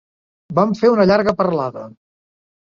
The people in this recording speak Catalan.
Vam fer una llarga parlada.